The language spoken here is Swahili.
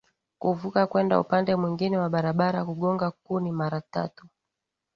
kuvuka kwenda upande mwingine wa barabara Kugonga kuni mara tatu